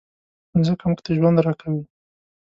مځکه موږ ته ژوند راکوي.